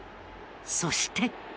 そして。